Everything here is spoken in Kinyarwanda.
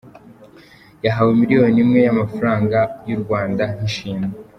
Yahawe miliyoni imwe y’amafaranga y’u Rwanda nk’ishimwe.